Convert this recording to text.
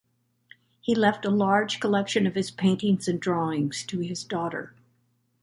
He left a large collection of his paintings and drawings to his daughter.